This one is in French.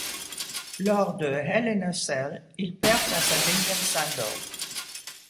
Lors de Hell in a Cell, il perd face à Damien Sandow.